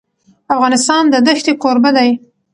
افغانستان د دښتې کوربه دی.